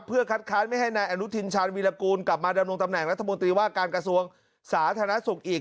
เพื่อคัดค้านไม่ให้นายอนุทินชาญวีรกูลกลับมาดำรงตำแหน่งรัฐมนตรีว่าการกระทรวงสาธารณสุขอีก